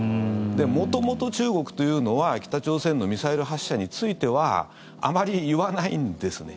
元々、中国というのは北朝鮮のミサイル発射についてはあまり言わないんですね。